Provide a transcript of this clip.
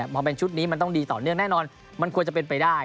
พอเป็นชุดนี้มันต้องดีต่อเนื่องแน่นอนมันควรจะเป็นไปได้